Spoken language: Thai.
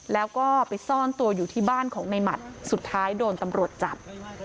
แล้วก็ไปซ่อนตัวอยู่ที่บ้านของในหมัดสุดท้ายโดนตำรวจจับ